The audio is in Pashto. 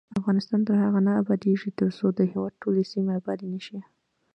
افغانستان تر هغو نه ابادیږي، ترڅو د هیواد ټولې سیمې آبادې نه شي.